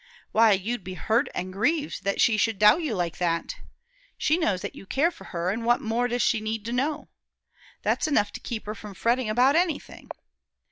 Why, you'd be hurt an' grieved that she should doubt you like that. She knows that you care for her, an' what more does she need to know? That's enough to keep her from fretting about anything.